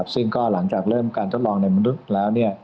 ซึ่งก็หลังจากเริ่มการทดลองในมนุษย์แล้ว